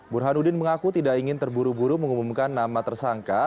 burhanuddin mengaku tidak ingin terburu buru mengumumkan nama tersangka